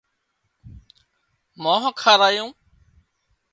مانه کارايون